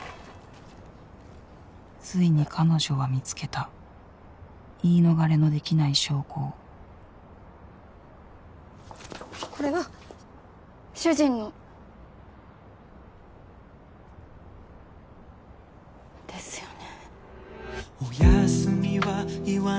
遂に彼女は見つけた言い逃れのできない証拠をこれは！主人の。ですよね。